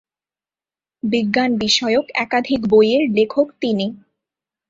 বিজ্ঞান বিষয়ক একাধিক বইয়ের লেখক তিনি।